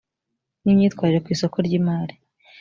n imyitwarire ku isoko ry imari